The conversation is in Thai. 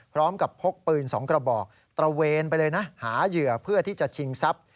พร้อมกับพกปืน๒กระบอกตระเวนไปเลยนะหาเหยื่อเพื่อที่จะชิงทรัพย์